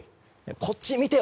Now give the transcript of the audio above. こっち見てよ！